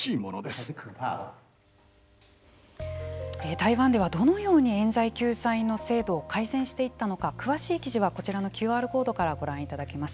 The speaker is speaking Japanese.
台湾ではどのようにえん罪救済の制度を改善していったのか詳しい記事はこちらのＱＲコードからご覧いただけます。